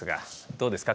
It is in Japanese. どうですか？